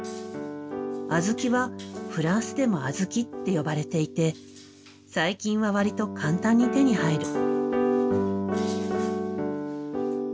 小豆はフランスでも「アズキ」って呼ばれていて最近は割と簡単に手に入る。